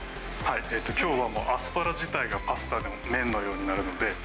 きょうはもう、アスパラ自体がパスタの麺のようになるので。